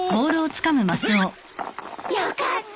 よかった。